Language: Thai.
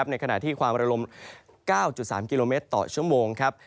ในขณะที่ความระลม๙๓กิโลเมตรต่อชั่วโมงครับ